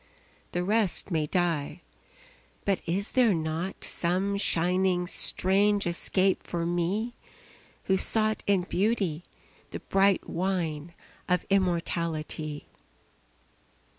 The rest may die but is there not Some shining strange escape for me Who sought in Beauty the bright wine Of immortality?